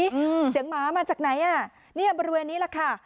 อืมเสียงหมามาจากไหนอ่ะเนี้ยบริเวณนี้แหละค่ะ